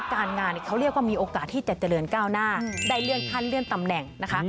การงานเขาเรียกว่ามีโอกาสที่จะเจริญก้าวหน้าได้เลื่อนขั้นเลื่อนตำแหน่งนะคะ